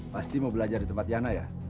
pasti mau belajar di tempat yana ya